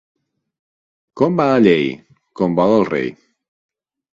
Com va la llei? Com vol el rei.